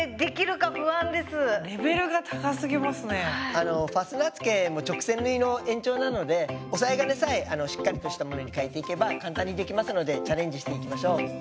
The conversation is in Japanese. あのファスナーつけも直線縫いの延長なので押さえ金さえしっかりとしたものに替えていけば簡単にできますのでチャレンジしていきましょう。